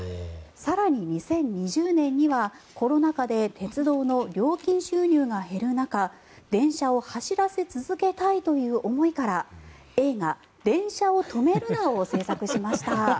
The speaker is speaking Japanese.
更に２０２０年にはコロナ禍で鉄道の料金収入が減る中電車を走らせ続けたいという思いから映画「電車を止めるな！」を製作しました。